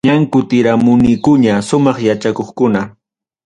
Ñam kutiramunikuña sumaq yachakuqkuna.